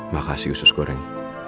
makasih usus goreng